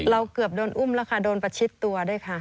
เกือบโดนอุ้มแล้วค่ะโดนประชิดตัวด้วยค่ะ